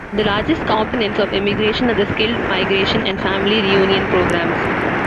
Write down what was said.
The largest components of immigration are the skilled migration and family re-union programs.